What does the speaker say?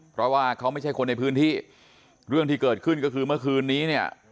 เพราะว่าเขาไม่ใช่คนในพื้นที่เรื่องที่เกิดขึ้นก็คือเมื่อคืนนี้เนี่ย